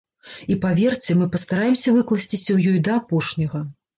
І, паверце, мы пастараемся выкласціся ў ёй да апошняга.